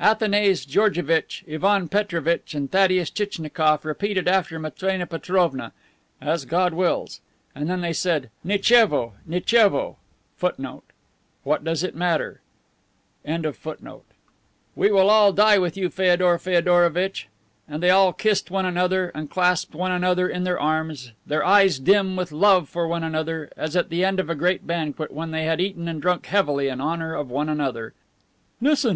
Athanase Georgevitch, Ivan Petrovitch and Thaddeus Tchitchnikoff repeated after Matrena Petrovna, "As God wills." And then they said "Nitchevo! Nitchevo!* We will all die with you, Feodor Feodorovitch." And they all kissed one another and clasped one another in their arms, their eyes dim with love one for another, as at the end of a great banquet when they had eaten and drunk heavily in honor of one another. * "What does it matter!" "Listen.